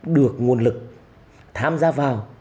được nguồn lực tham gia vào